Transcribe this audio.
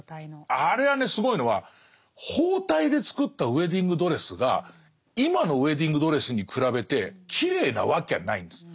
あれはねすごいのは包帯で作ったウエディングドレスが今のウエディングドレスに比べてきれいなわきゃないんです。